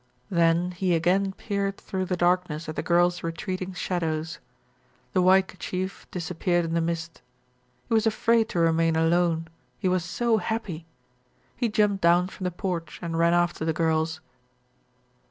Then he again peered through the darkness at the girls' retreating shadows. The white kerchief disappeared in the mist. He was afraid to remain alone, he was so happy. He jumped down from the porch and ran after the girls.